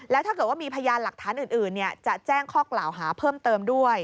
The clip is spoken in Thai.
แล้วถ้าเกิดว่ามีพยานหลักฐานอื่นจะแจ้งข้อกล่าวหาเพิ่มเติมด้วย